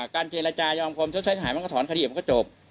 เจรจายอมความชดใช้ทหารมันก็ถอนคดีมันก็จบ